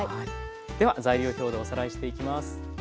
では材料表でおさらいしていきます。